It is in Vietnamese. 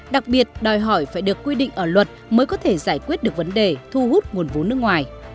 đặc biệt đòi hỏi phải được quy định ở luật mới có thể giải quyết được vấn đề thu hút nguồn vốn nước ngoài